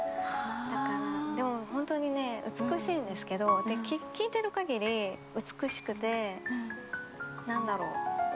だからでもほんとにね美しいんですけど聴いてるかぎり美しくてなんだろう？